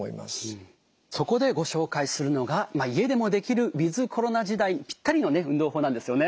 そこでご紹介するのが家でもできるウィズコロナ時代にぴったりのね運動法なんですよね。